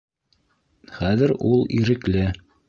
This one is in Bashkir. Хәҙер ул ирекле.